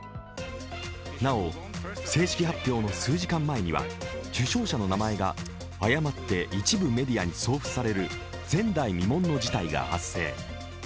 なお、正式発表の数時間前には受賞者の名前が誤って一部メディアに送付される前代未聞の事態が発生。